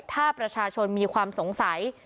ถ้าประชาชนมีความสงสัย